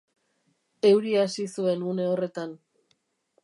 Euria hasi zuen une horretan.